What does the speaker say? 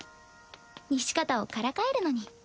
西片をからかえるのに。